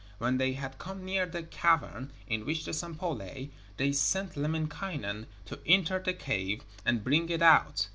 When they had come near the cavern in which the Sampo lay, they sent Lemminkainen to enter the cave and bring it out.